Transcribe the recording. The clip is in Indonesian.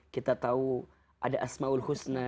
kita tahu ada asma'ul husna